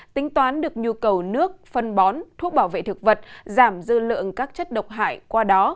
tính toán được nhu cầu nước phân bón thuốc bảo vệ thực vật giảm dư lượng các chất độc hại qua đó